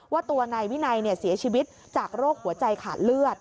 ว่าตัวนายวินัยเสียชีวิตจากโรคหัวใจขาดเลือด